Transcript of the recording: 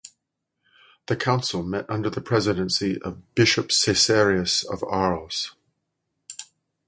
The Council met under the presidency of Bishop Caesarius of Arles.